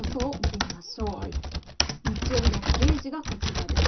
日曜日の０時がこちらです。